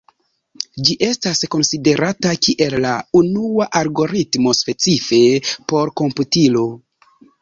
Ĝi estas konsiderata kiel la unua algoritmo specife por komputilo.